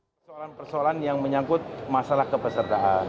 persoalan persoalan yang menyangkut masalah kepesertaan